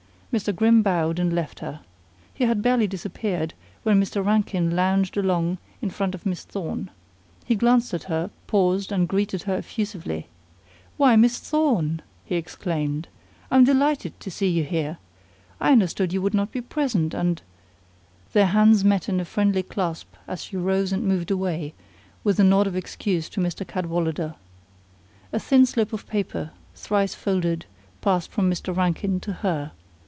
Mr. Grimm bowed and left her. He had barely disappeared when Mr. Rankin lounged along in front of Miss Thorne. He glanced at her, paused and greeted her effusively. "Why, Miss Thorne!" he exclaimed. "I'm delighted to see you here. I understood you would not be present, and " Their hands met in a friendly clasp as she rose and moved away, with a nod of excuse to Mr. Cadwallader. A thin slip of paper, thrice folded, passed from Mr. Rankin to her.